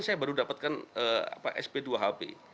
saya baru dapatkan sp dua hp